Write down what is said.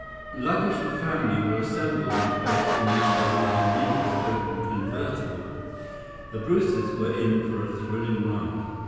Luggage and family were assembled and placed in Mr. Mahenili's open convertible. The Brewsters were in for a thrilling ride.